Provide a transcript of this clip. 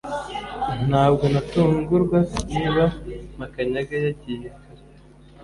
Ntabwo natungurwa niba Makanyaga yagiye kare